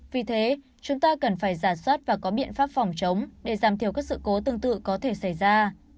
vì thế chúng ta cần phải giả soát và có biện pháp phòng chống để giảm thiểu các sự cố tương tự có thể xảy ra